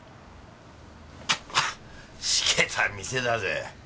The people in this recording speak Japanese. はっしけた店だぜ。